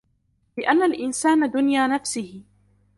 لِأَنَّ الْإِنْسَانَ دُنْيَا نَفْسِهِ